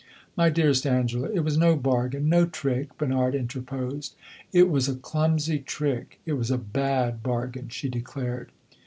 "My dearest Angela, it was no bargain no trick!" Bernard interposed. "It was a clumsy trick it was a bad bargain!" she declared.